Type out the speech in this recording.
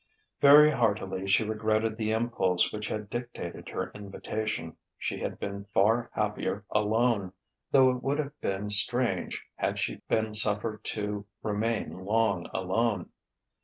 Very heartily she regretted the impulse which had dictated her invitation. She had been far happier alone though it would have been strange had she been suffered to remain long alone.